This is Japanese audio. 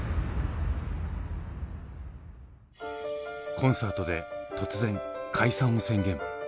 コンサートで突然解散を宣言。